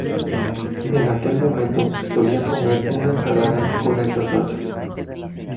En aquel momento se solía comer una ensalada con esta salsa.